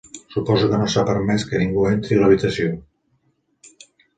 Suposo que no s'ha permès que ningú entri a l'habitació.